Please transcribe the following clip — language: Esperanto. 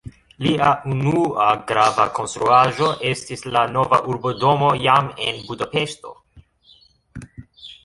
Lia unua grava konstruaĵo estis la nova urbodomo jam en Budapeŝto.